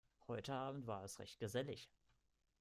Heute Abend war es recht gesellig.